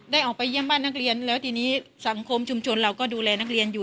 ออกไปเยี่ยมบ้านนักเรียนแล้วทีนี้สังคมชุมชนเราก็ดูแลนักเรียนอยู่